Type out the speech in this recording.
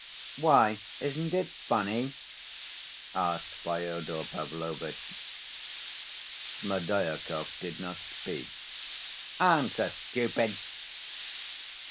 "Why? Isn't it funny?" asked Fyodor Pavlovitch. Smerdyakov did not speak. "Answer, stupid!"